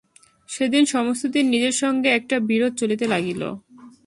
সেদিন সমস্তদিন নিজের সঙ্গে একটা বিরোধ চলিতে লাগিল।